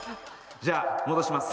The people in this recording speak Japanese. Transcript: じゃあ戻します。